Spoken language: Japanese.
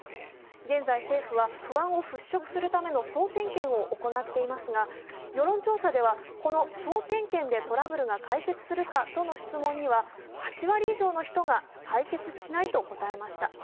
現在政府を不安を払拭するための総点検を行っていますが、世論調査ではこの総点検でトラブルが解決するかとの質問には８割以上の人が、解決しないと答えました。